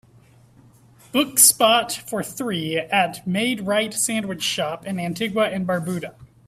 Book spot for three at Maid-Rite Sandwich Shop in Antigua and Barbuda